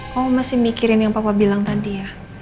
kamu masih mikirin yang papa bilang tadi ya